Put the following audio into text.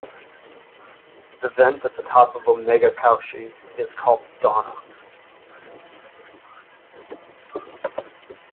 The vent at the top of Omega Cauchy is called Donna.